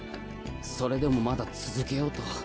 それでもまだ続けようと。